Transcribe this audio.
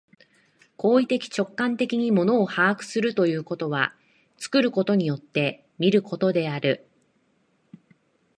行為的直観的に物を把握するということは、作ることによって見ることである。